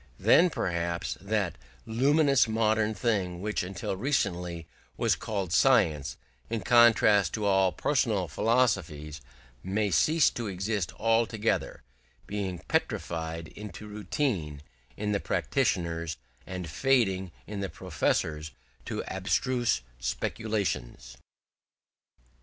Then perhaps that luminous modern thing which until recently was called science, in contrast to all personal philosophies, may cease to exist altogether, being petrified into routine in the practitioners, and fading in the professors into abstruse speculations.